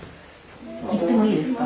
行ってもいいですか？